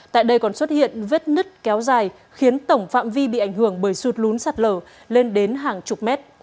tại đây còn xuất hiện vết nứt kéo dài khiến tổng phạm vi bị ảnh hưởng bởi sụt lún sạt lở lên đến hàng chục mét